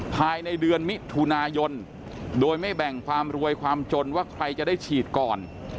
ภายในเดือนมิถุนายนโดยไม่แบ่งความรวยความจนว่าใครจะได้ฉีดก่อน